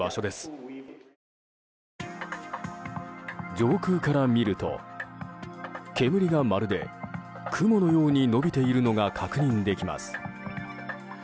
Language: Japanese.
上空から見ると煙がまるで、雲のように伸びているのが確認できます。